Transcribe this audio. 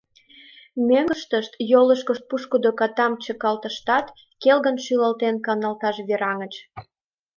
Мӧҥгыштышт йолышкышт пушкыдо катам чыкалтыштат, келгын шӱлалтен, каналташ вераҥыч.